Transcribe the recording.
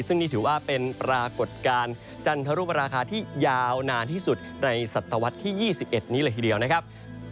ซึ่งนี่ถือว่าเป็นปรากฏการณ์จันทรุปราคาที่ยาวนานที่สุดในศตวรรษที่๒๑นี้เลยทีเดียวนะครับ